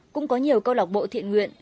cũng có nhiều câu lọc bộ thiện nguyện